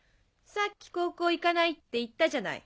さっき高校へ行かないって言ったじゃない。